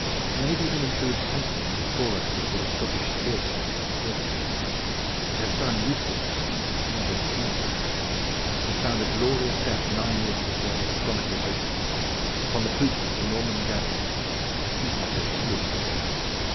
Lady Ermyntrude's husband had fallen before the Scottish spearsmen at Stirling, and her son Eustace, Nigel's father, had found a glorious death nine years before this chronicle opens upon the poop of a Norman galley at the sea fight of Sluys.